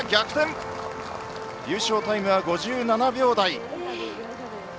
優勝タイムは５７秒台。